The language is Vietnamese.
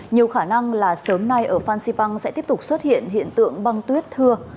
nhiều khả năng là sớm nay ở phan xipang sẽ tiếp tục xuất hiện hiện tượng băng tuyết thưa